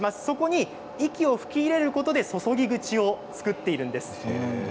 そこに息を吹き入れることで注ぎ口を使っているんです。